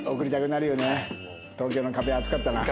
東京の壁は厚かったな。